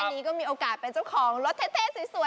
วันนี้ก็มีโอกาสเป็นเจ้าของรถเท่สวย